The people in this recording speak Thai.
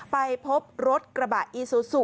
ไปพบรถกระบะอีซูซู